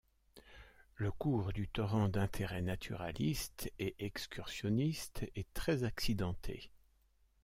Le cours du torrent d'intérêt naturaliste et excursionniste est très accidenté.